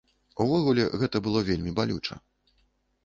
Увогуле, гэта было вельмі балюча.